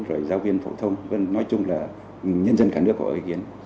rồi giáo viên phổ thông nói chung là nhân dân cả nước có ý kiến